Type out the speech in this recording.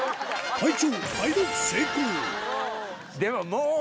隊長